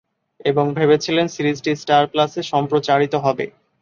এবং ভেবেছিলেন সিরিজটি স্টার প্লাসে সম্প্রচারিত হবে।